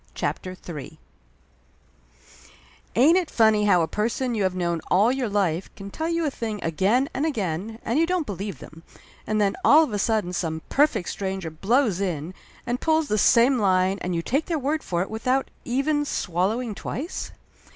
CHAPTER III \ IN'T it funny how a person you have known all your life can tell you a thing again and again and you don't believe them, and then all of a sudden some perfect stranger blows in and pulls the same line and you take their word for it without even swallow ing twice